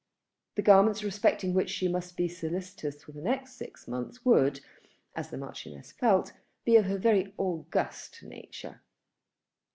The garments respecting which she must be solicitous for the next six months would, as the Marchioness felt, be of a very august nature.